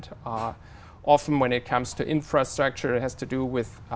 tất nhiên có những sự kiện tốt đáng nhớ